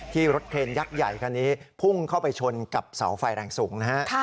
รถเครนยักษ์ใหญ่คันนี้พุ่งเข้าไปชนกับเสาไฟแรงสูงนะฮะ